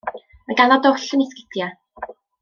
Mae ganddo dwll yn 'i 'sgidia.